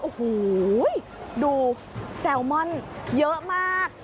อุหูยดูแซลมอนเยอะมาก